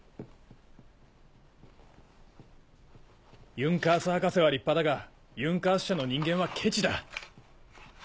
ユンカース博士は立派だがユンカース社の人間はケチだ。